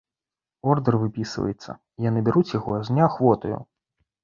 Ордэр выпісваецца, і яны бяруць яго з неахвотаю.